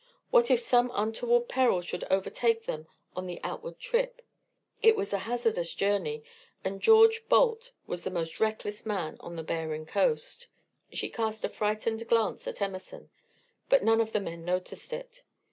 What if some untoward peril should overtake them on the outward trip? It was a hazardous journey, and George Balt was the most reckless man on the Behring coast. She cast a frightened glance at Emerson, but none of the men noticed it.